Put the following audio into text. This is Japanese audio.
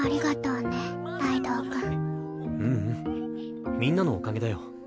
ううんみんなのおかげだよ。